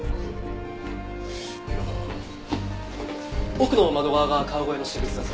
奥の窓側が川越の私物だそうです。